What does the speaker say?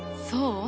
そう？